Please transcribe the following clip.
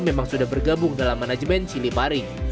memang sudah bergabung dalam manajemen cili pari